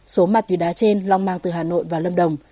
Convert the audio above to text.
số ma tùy đá trên long mang từ hà nội và lâm đồng